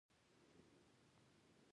د چغندر شیره د وینې لپاره وکاروئ